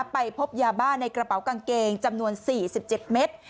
ไปพบยาบ้าในกระเป๋ากางเกงจำนวน๔๗เมตร